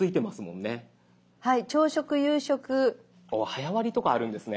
早割とかあるんですね。